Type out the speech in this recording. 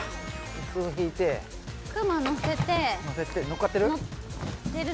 椅子を引いて熊のせてのっかってる？